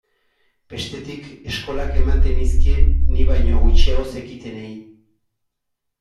Bestetik, eskolak ematen nizkien ni baino gutxiago zekitenei.